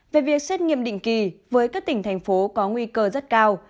về việc xét nghiệm định kỳ với các tỉnh thành phố có nguy cơ rất cao